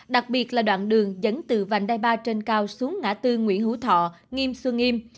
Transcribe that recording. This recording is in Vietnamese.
đặc biệt là đoạn đường dẫn từ vành đai ba trên cao xuống ngã tư nguyễn hữu thọ nghiêm xuân nghiêm